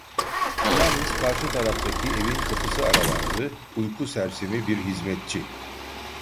Yalnız karşı taraftaki evin kapısı aralandı, uyku sersemi bir hizmetçi.